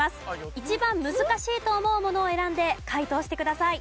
一番難しいと思うものを選んで解答してください。